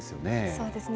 そうですね。